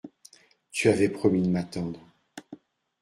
Tu avais promis de m’attendre.